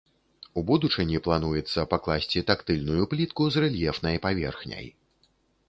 У будучыні плануецца пакласці тактыльную плітку з рэльефнай паверхняй.